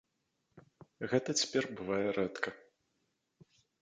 Гэта цяпер бывае рэдка.